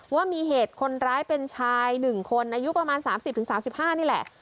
ว่ามีเหตุคนร้ายเป็นชายหนึ่งคนอายุประมาณสามสิบถึงสามสิบห้านี่แหละ